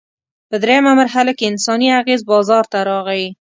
په درېیمه مرحله کې انساني اغېز بازار ته راغی.